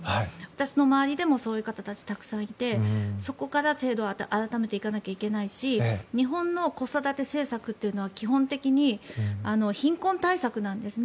私の周りでもそういう方はたくさんいて、そこから制度を改めていかなきゃいけないし日本の子育て政策というのは基本的に貧困対策なんですね。